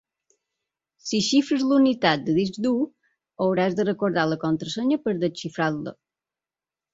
Si xifres la unitat de disc dur, hauràs de recordar la contrasenya per desxifrar-la.